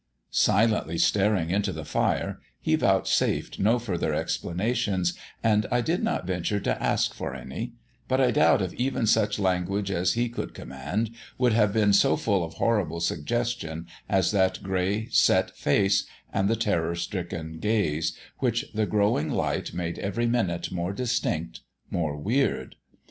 Silently staring into the fire, he vouchsafed no further explanations, and I did not venture to ask for any; but I doubt if even such language as he could command would have been so full of horrible suggestion as that grey set face, and the terror stricken gaze, which the growing light made every minute more distinct, more weird.